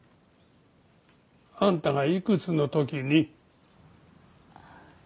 あんたがいくつの時に？